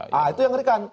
nah itu yang mengerikan